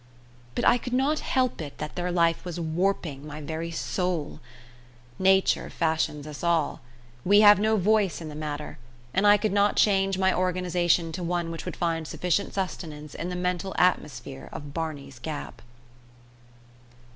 But I could not help it that their life was warping my very soul. Nature fashions us all; we have no voice in the matter, and I could not change my organisation to one which would find sufficient sustenance in the mental atmosphere of Barney's Gap.